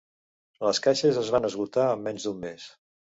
Les caixes es van esgotar en menys d'un mes.